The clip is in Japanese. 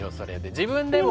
自分でも。